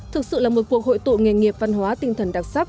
thực sự là một cuộc hội tụ nghề nghiệp văn hóa tinh thần đặc sắc